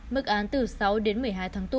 mức án từ sáu đến một mươi hai tháng tù